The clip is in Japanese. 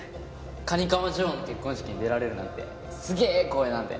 蟹釜ジョーの結婚式に出られるなんてすげえ光栄なんで。